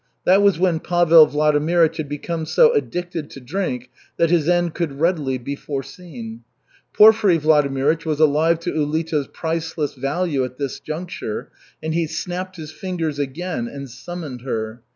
That was when Pavel Vladimirych had become so addicted to drink that his end could readily be foreseen. Porfiry Vladimirych was alive to Ulita's priceless value at this juncture, and he snapped his fingers again and summoned her.